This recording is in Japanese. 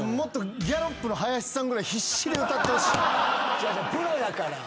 違う違うプロやから！